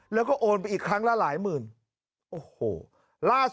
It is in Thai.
แล้วก็โอนไปอีกครั้งละหลายหมื่นโอ้โหล่าสุด